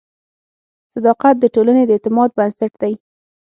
صداقت د ټولنې د اعتماد بنسټ دی.